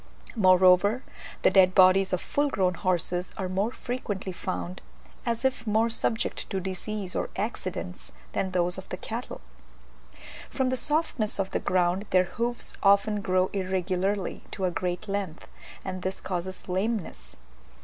Moreover, the dead bodies of full grown horses are more frequently found, as if more subject to disease or accidents, than those of the cattle. From the softness of the ground their hoofs often grow irregularly to a great length, and this causes lameness.